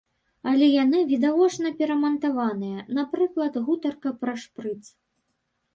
Але яны відавочна перамантаваныя, напрыклад, гутарка пра шпрыц.